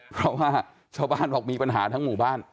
เพราะว่าชาวบ้านบอกมีปัญหาทั้งหมู่บ้าน